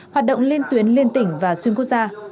hoạt động lên tuyến liên tỉnh và xuyên quốc gia